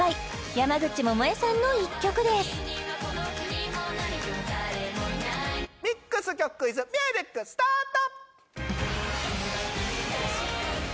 山口百恵さんの一曲ですミックス曲クイズミュージックスタート！